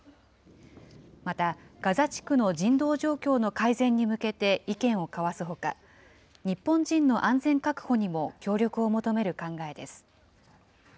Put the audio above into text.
またガザ地区の人道状況の改善に向けて意見を交わすほか、日本人の安全確保にも協力を求める考えです。